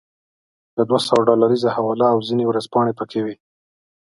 یوه دوه سوه ډالریزه حواله او ځینې ورځپاڼې پکې وې.